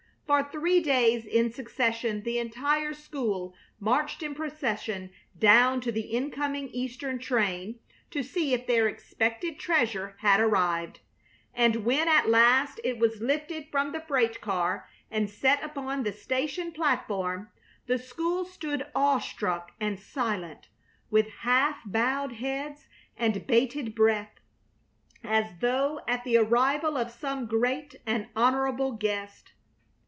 For three days in succession the entire school marched in procession down to the incoming Eastern train to see if their expected treasure had arrived, and when at last it was lifted from the freight car and set upon the station platform the school stood awe struck and silent, with half bowed heads and bated breath, as though at the arrival of some great and honorable guest.